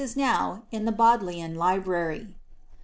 is now in the Bodleian library.